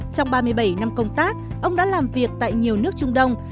trong ba mươi bảy năm công tác ông đã làm việc tại nhiều nước trung đông